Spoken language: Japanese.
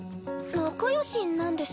仲よしなんです？